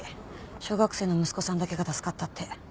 小学生の息子さんだけが助かったって。